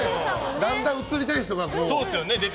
だんだん映りたい人がね。